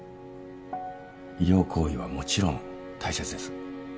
医療行為はもちろん大切です。